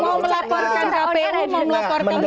mau melaporkan kpu mau melaporkan masyarakat sipil gitu ya